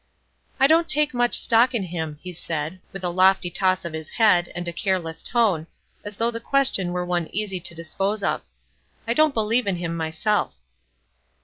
"I don't take much stock in him," he said, with a lofty toss of his head, and a careless tone, as though the question were one easy to dispose of. "I don't believe in him myself."